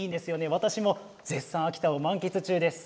私も、絶賛秋田を満喫中です。